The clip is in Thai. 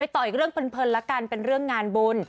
ต่ออีกเรื่องเพลินละกันเป็นเรื่องงานบุญ